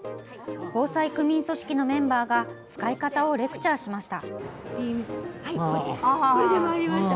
防災区民組織のメンバーが使い方をレクチャーしました。